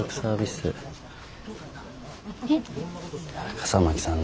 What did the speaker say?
笠巻さんな